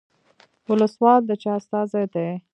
ولسوال د چا استازی دی؟